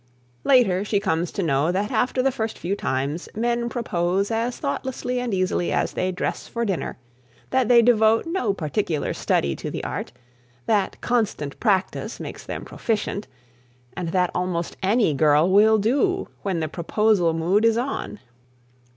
Later, she comes to know that after the first few times, men propose as thoughtlessly and easily as they dress for dinner, that they devote no particular study to the art, that constant practice makes them proficient, and that almost any girl will do when the proposal mood is on.